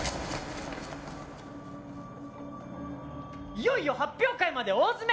いよいよ発表会まで大づめ！